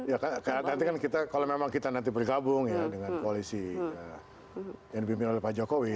ya kan karena nanti kan kita kalau memang kita nanti bergabung ya dengan koalisi yang dibimbing oleh pak jokowi